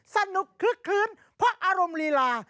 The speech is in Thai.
สนุกขึ้นเพราะอารมณ์ลีลา